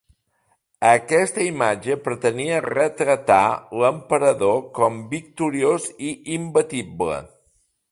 Aquesta imatge pretenia retratat l'emperador com victoriós i imbatible.